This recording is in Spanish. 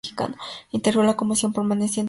Integró la comisión permanente de Gobierno Interior.